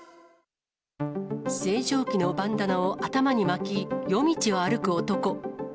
星条旗のバンダナを頭に巻き、夜道を歩く男。